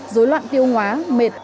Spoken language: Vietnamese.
rối loạn tiêu hóa mệt